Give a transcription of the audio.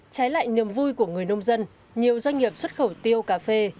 trái lại niềm vui của người nông dân nhiều doanh nghiệp xuất khẩu tiêu cà phê